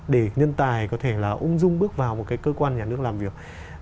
để nhân tài có thể là ung dung bước vào một cái cơ quan nhà nước làm việc